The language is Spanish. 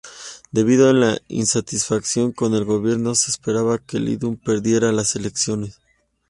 Debido a la insatisfacción con el gobierno, se esperaba que Likud perdiera las elecciones.